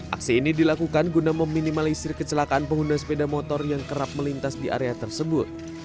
aksi ini dilakukan guna meminimalisir kecelakaan pengguna sepeda motor yang kerap melintas di area tersebut